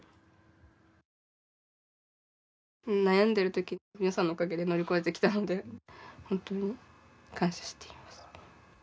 悩んでいるとき皆さんのおかげで乗り越えてきたので本当に感謝しています。